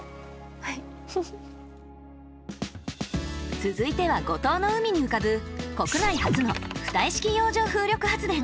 続いては五島の海に浮かぶ国内初の浮体式洋上風力発電！